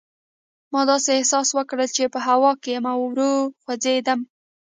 ما داسې احساس وکړل چې په هوا کې یم او ورو خوځېدم.